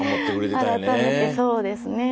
改めてそうですね。